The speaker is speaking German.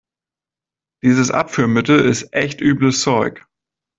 Dieses Abführmittel ist echt übles Zeug.